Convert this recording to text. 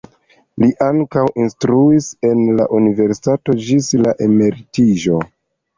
Li ankaŭ instruis en la universitato ĝis la emeritiĝo.